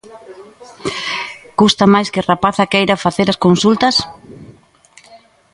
Custa máis que a rapazada queira facer consultas?